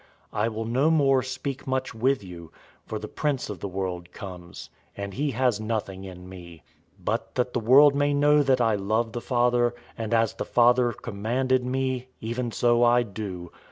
014:030 I will no more speak much with you, for the prince of the world comes, and he has nothing in me. 014:031 But that the world may know that I love the Father, and as the Father commanded me, even so I do.